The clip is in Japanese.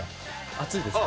熱いですか？